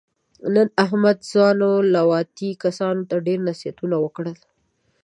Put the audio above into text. نن احمد ځوانو لوطي کسانو ته ډېر نصیحتونه وکړل.